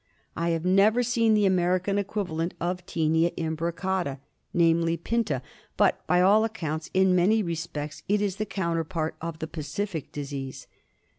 I have never seen the American equivalent of Tinea imbricata, namely, Pinta, but by all accounts in many respects it is the counterpart of the Pacific disease.